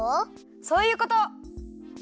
そういうこと！